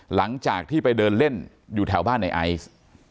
หลังจากที่ไปเดินเล่นอยู่แถวบ้านในไอซ์